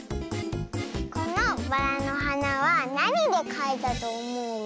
このバラのはなはなにでかいたとおもう？